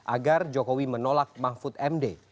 agar jokowi menolak mahfud md